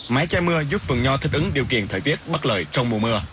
mái che mưa giúp vườn nho thích ứng điều kiện thời tiết bất lợi trong mùa mưa